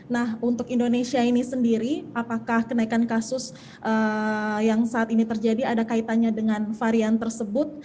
nah untuk indonesia ini sendiri apakah kenaikan kasus yang saat ini terjadi ada kaitannya dengan varian tersebut